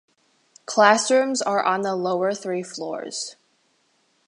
Classrooms are on the lower three floors.